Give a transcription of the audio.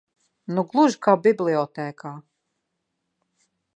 Nu gluži kā bibliotēkā!